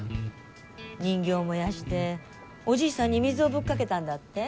人形燃やしておじいさんに水をぶっかけたんだって？